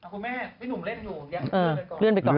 คุณแม่ช่วยหนุ่มเล่นอยู่